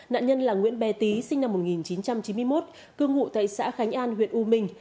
nạn nhân là nguyễn bé tý sinh năm một nghìn chín trăm chín mươi một cư ngụ tại xã khánh an huyện u minh